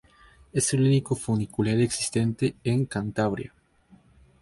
Es el único funicular existente en Cantabria.